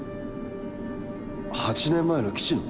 ８年前の基地の？